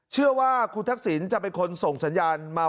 เชื่อว่าคุณทักษิณจะเป็นคนส่งสัญญาณมา